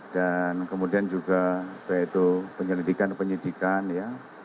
dan kemudian juga yaitu penyelidikan penyidikan ya